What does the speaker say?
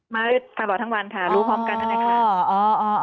มาด้วยตลอดทั้งวันค่ะรู้พร้อมกันเลยค่ะ